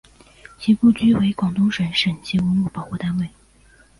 其故居为广东省省级文物保护单位。